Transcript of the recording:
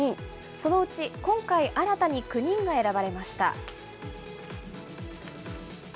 そのうち今回、新たに９人が選ばれました。